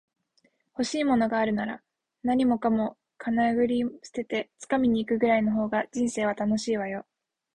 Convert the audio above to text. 欲しいものがあるなら、何もかもかなぐり捨てて掴みに行くぐらいの方が人生は楽しいわよ